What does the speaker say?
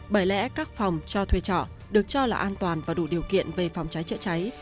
bởi lẽ các phòng cho thuê trọ được cho là an toàn và đủ điều kiện về phòng cháy chữa cháy